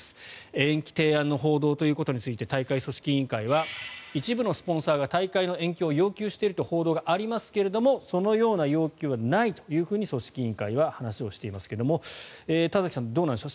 延期提案の報道について大会組織委員会は一部のスポンサーが大会の延期を要求しているという報道がありますけれどもそのような要求はないと組織委員会は話をしていますが田崎さん、どうなんでしょう。